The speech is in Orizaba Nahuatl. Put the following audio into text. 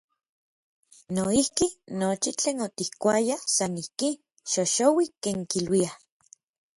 Noijki, nochi tlen otikkuayaj san ijki, “xoxouik”, ken kiluiaj.